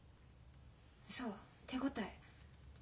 そう手応え。